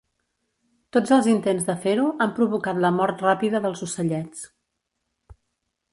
Tots els intents de fer-ho han provocat la mort ràpida dels ocellets.